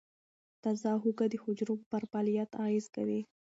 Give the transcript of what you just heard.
تازه هوږه د حجرو پر فعالیت اغېز کوي.